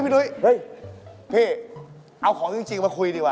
พี่เอาของจริงมาคุยดีว่ะ